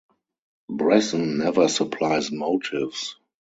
Bresson never supplies motives.